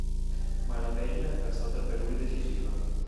Ma la veglia era stata per lui decisiva.